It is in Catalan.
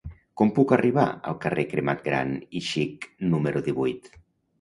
Com puc arribar al carrer Cremat Gran i Xic número divuit?